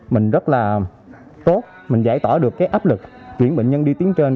mình rất là tốt mình giải tỏa được cái áp lực chuyển bệnh nhân đi tiếng trên